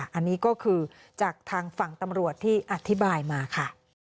อันนี้ก็คือจากทางฝั่งตำรวจที่อธิบายมาค่ะ